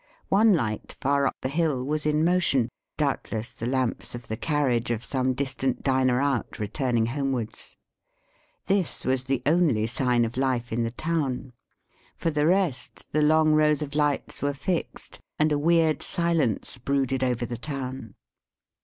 One light, far up the hill, was in motion — doubtless the lamps of the carriage of some distant diner out returning homewards. This was the only sign of life in the town. For the rest, the long rows of lights were fixed, and a weird silence brooded Over the town.